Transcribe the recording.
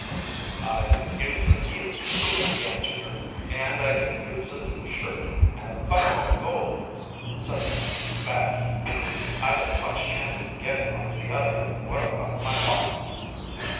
"I could use a needle too," he answered her. "And I could use a new shirt, and a bucket of gold." Suddenly he spat. "I've as much chance of getting one as the other with what I've got in my pocket."